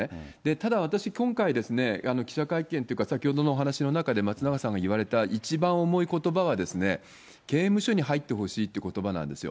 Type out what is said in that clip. ただ私、今回ですね、記者会見というか、先ほどのお話の中で松永さんが言われた一番重いことばは、刑務所に入ってほしいということばなんですよ。